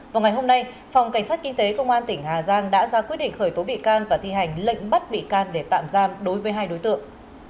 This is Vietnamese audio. vào ngày hôm nay phòng cảnh sát kinh tế công an tỉnh hà giang đã ra quyết định khởi tố bị can và thi hành lệnh bắt bị can để tạm giam đối với hai đối tượng